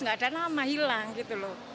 gak ada nama hilang gitu loh